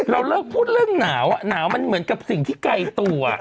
เราเลิกพูดเรื่องหนาวหนาวมันเหมือนกับสิ่งที่ไกลตัว